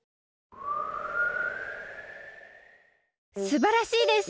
すばらしいです！